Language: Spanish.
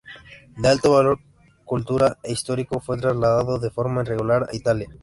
De alto valor cultural e histórico, fue trasladado de forma irregular a Italia.